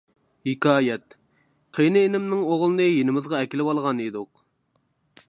ھېكايەت: قېيىنى ئىنىمنىڭ ئوغلىنى يېنىمىزغا ئەكېلىۋالغان ئىدۇق.